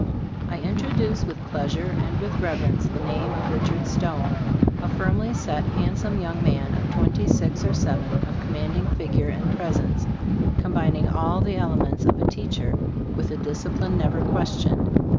I in troduce with pleasure and with rev erence the name of Richard Stone; a firmly set, handsome young man of twenty six or seven, of commanding figure and presence, combining all the elements of a teacher with a disci pline never questioned.